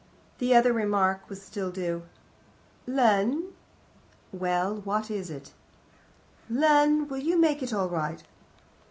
The other remark was still due. "Len " "Well? What is it?" "Len, you will make it all right?"